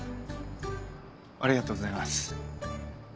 ありがとうございます。